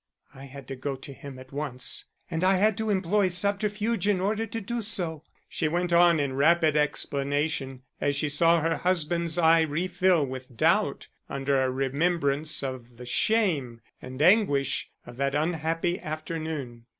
I had to go to him at once, and I had to employ subterfuge in order to do so," she went on in rapid explanation, as she saw her husband's eye refill with doubt under a remembrance of the shame and anguish of that unhappy afternoon.